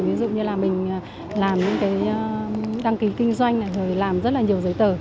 ví dụ như là mình làm những cái đăng ký kinh doanh này rồi làm rất là nhiều giấy tờ